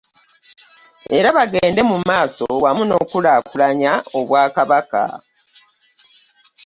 Era bagende mu maaso wamu n'okukulaakulanya Obwakabaka.